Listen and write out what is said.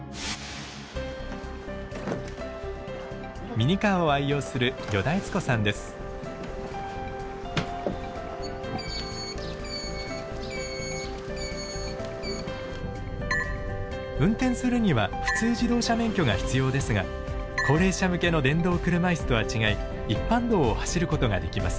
ミニカーを愛用する運転するには普通自動車免許が必要ですが高齢者向けの電動車椅子とは違い一般道を走ることができます。